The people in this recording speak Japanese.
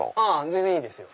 全然いいですよ！